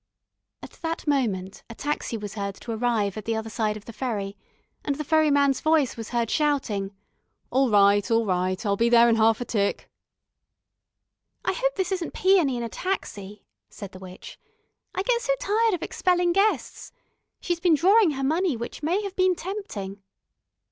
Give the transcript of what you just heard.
At that moment a taxi was heard to arrive at the other side of the ferry, and the ferryman's voice was heard shouting: "All right, all right, I'll be there in half a tick." "I hope this isn't Peony in a taxi," said the witch. "I get so tired of expelling guests. She's been drawing her money, which may have been tempting."